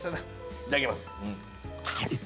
いただきます。